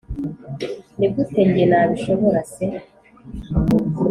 nigute njye nabishobora se